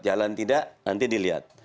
jalan tidak nanti dilihat